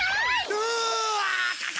うわ！